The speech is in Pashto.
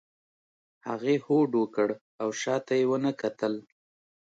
هغې هوډ وکړ او شا ته یې ونه کتل.